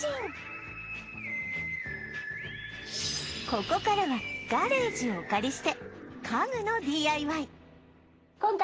ここからはガレージをお借りして家具の ＤＩＹ